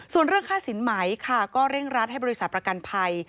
ส่วนเรื่องค่าสินไหมค่ะก็เร่งรัดให้บริษัทประกันภัย